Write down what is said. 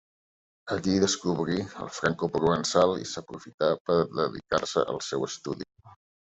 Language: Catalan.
Allí descobrí el francoprovençal i aprofità per dedicar-se al seu estudi.